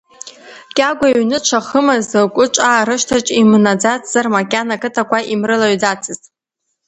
Кьагәа иҩны дшахымыз, кәыҿаа рашҭаҿ имнаӡацзар, макьана ақыҭақәа имрылаҩӡацызт.